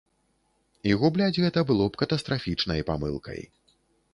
І губляць гэта было б катастрафічнай памылкай.